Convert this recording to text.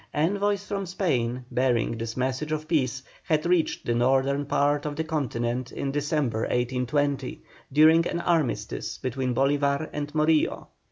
Envoys from Spain bearing this message of peace had reached the northern part of the continent in December, 1820, during an armistice between Bolívar and Morillo.